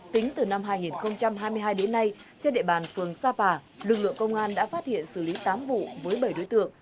tính từ năm hai nghìn hai mươi hai đến nay trên địa bàn phường sapa lực lượng công an đã phát hiện xử lý tám vụ với bảy đối tượng